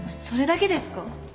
それだけですか？